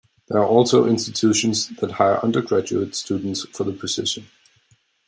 There are also institutions that hire undergraduate students for the position.